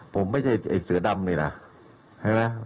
ผมไม่ใช่ไอ้เสือดำนี่นะเห็นไหม